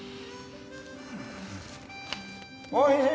おいしい